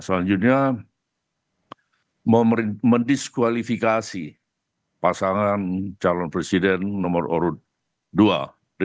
selanjutnya mendiskualifikasi pasangan calon presiden nomor urut dua